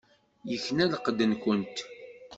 Ikna lqedd-nkent.